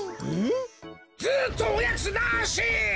ずっとおやつなし！